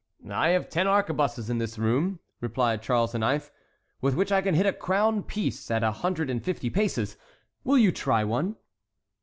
"I have ten arquebuses in this room," replied Charles IX., "with which I can hit a crown piece at a hundred and fifty paces—will you try one?"